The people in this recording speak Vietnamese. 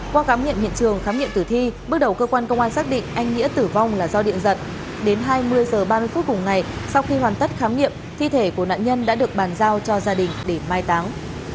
qua khám nghiệm hiện trường khám nghiệm tử thi bước đầu cơ quan công an xác định anh nghĩa tử vong là do điện giật đến hai mươi h ba mươi phút cùng ngày sau khi hoàn tất khám nghiệm thi thể của nạn nhân đã được bàn giao cho gia đình để mai táng